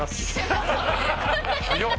「早っ！